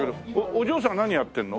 お嬢さんは何やってるの？